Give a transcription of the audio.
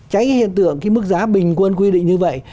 tránh hiện tượng cái mức giá bình quân quy định như vậy